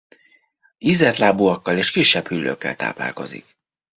Ízeltlábúakkal és kisebb hüllőkkel táplálkozik.